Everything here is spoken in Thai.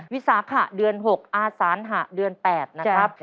วิสาขะเดือน๖อาสานหะเดือน๘นะครับ